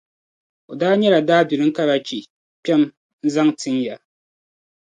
O daa nyɛla daabilim karachi, kpɛm' zaŋ n-ti ya.